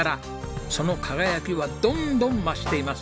その輝きはどんどん増しています。